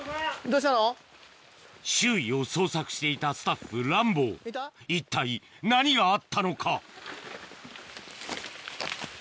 ・どうしたの⁉周囲を捜索していたスタッフランボー一体何があったのか？